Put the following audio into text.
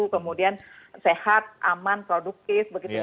kemudian sehat aman produkis begitu